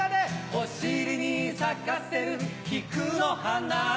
お尻に咲かせる菊の花